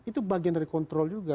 itu bagian dari kontrol juga